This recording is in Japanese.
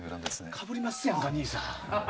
かぶりますやん、兄さん。